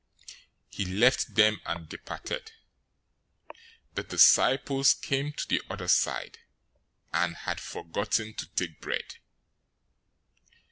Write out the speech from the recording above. He left them, and departed. 016:005 The disciples came to the other side and had forgotten to take bread.